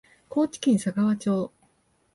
高知県佐川町